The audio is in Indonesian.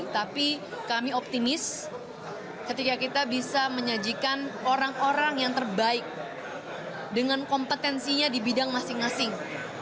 tapi kami optimis ketika kita bisa menyajikan orang orang yang terbaik dengan kompetensinya di bidang masing masing